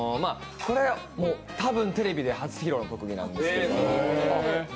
多分、テレビで初披露の特技なんですけど。